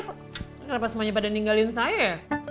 kenapa semuanya pada ninggalin saya ya